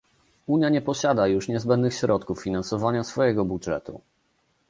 Unia nie posiada już niezbędnych środków finansowania swojego budżetu